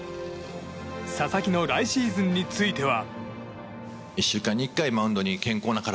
佐々木の来シーズンについては。